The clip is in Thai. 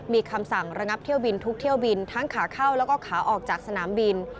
มีคำสั่งระงับเที่ยวบินทุกเที่ยวบินทั้งขาเข้าแล้วก็ขาออกจากสนามบิน